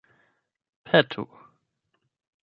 petu